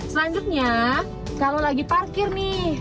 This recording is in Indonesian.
selanjutnya kalau lagi parkir nih